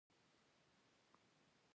وحشي حیوانات د افغانستان د اقتصاد برخه ده.